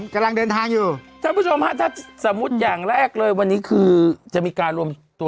ครับผมกำลังเดินทางอยู่ถ้าสมมุติอย่างแรกเลยวันนี้คือจะมีการรวมตัว